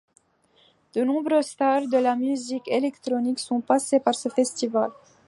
De nombreuses stars de la musique électronique sont passées par ce festival.